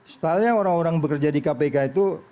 stylenya orang orang bekerja di kpk itu